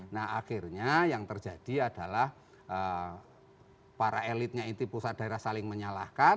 nah akhirnya yang terjadi adalah para elitnya inti pusat daerah saling menyalahkan